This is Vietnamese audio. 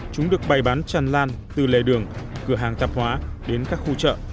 chúng được bày bán tràn lan từ lề đường cửa hàng tạp hóa đến các khu chợ